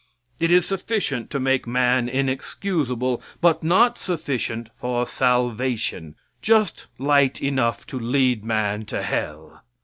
It is sufficient to make man inexcusable, but not sufficient for salvation; just light enough to lead man to hell.